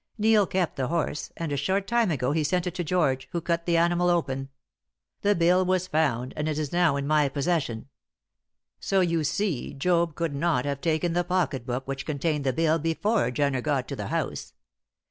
Neil kept the horse, and a short time ago he sent it to George, who cut the animal open. The bill was found, and is now in my possession. So, you see, Job could not have taken the pocket book which contained the bill before Jenner got to the house.